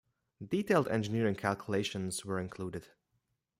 Detailed engineering calculations were included.